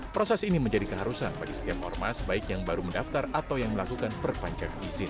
proses ini menjadi keharusan bagi setiap ormas baik yang baru mendaftar atau yang melakukan perpanjangan izin